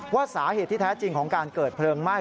ว่าสาเหตุที่แท้จริงของการเกิดเพลิงไหม้